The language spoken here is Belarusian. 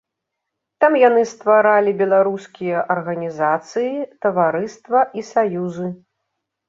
Там яны стваралі беларускія арганізацыі, таварыства і саюзы.